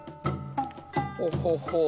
ほほほう